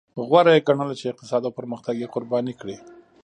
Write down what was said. غوره یې ګڼله چې اقتصاد او پرمختګ یې قرباني کړي.